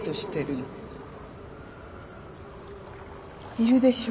いるでしょ？